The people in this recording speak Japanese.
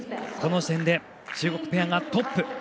この時点で中国ペアがトップ。